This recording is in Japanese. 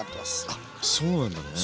あそうなんだね。